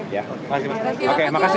ya makasih mas